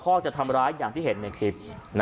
จะทำร้ายอย่างที่เห็นในคลิป